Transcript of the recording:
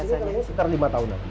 ini umurnya sekitar lima tahun